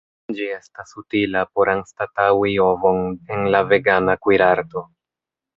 Ĝi estas utila por anstataŭi ovon en la vegana kuirarto.